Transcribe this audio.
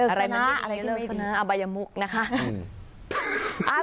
อะไรไม่ดีอะไรที่ไม่ดีอาบายมุกนะคะ